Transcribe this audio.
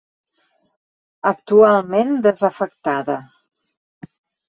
Actualment desafectada.